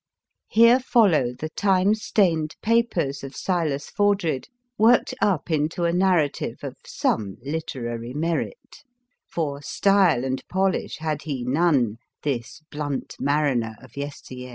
Here follow the time stained papers of Silas Fordred worked up into a nar rative of some literary merit ; for style and polish had he none, this blunt mariner of yester year.